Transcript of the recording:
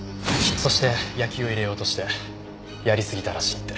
そしてヤキを入れようとしてやりすぎたらしいって。